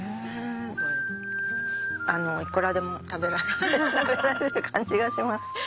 いくらでも食べられる感じがします。